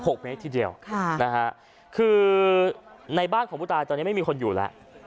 เมตรทีเดียวค่ะนะฮะคือในบ้านของผู้ตายตอนนี้ไม่มีคนอยู่แล้ว